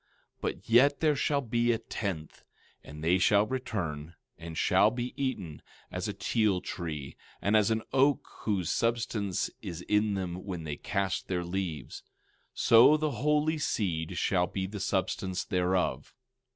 16:13 But yet there shall be a tenth, and they shall return, and shall be eaten, as a teil tree, and as an oak whose substance is in them when they cast their leaves; so the holy seed shall be the substance thereof.